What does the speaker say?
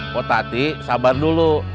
kok tati sabar dulu